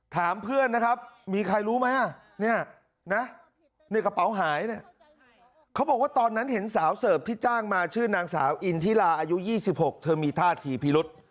ถามเพื่อนนะครับมีใครรู้ไหมเนี่ยนะในกระเป๋าหายเนี่ยเขาบอกว่าตอนนั้นเห็นสาวเสิร์ฟที่จ้างมาชื่อนางสาวอินทิลาอายุ๒๖เธอมีท่าทีพิรุษ